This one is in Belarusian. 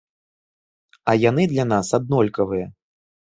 А яны для нас аднолькавыя.